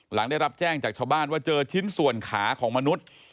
หลังได้รับแจ้งจากชาวบ้านว่าเจอชิ้นส่วนขาของมนุษย์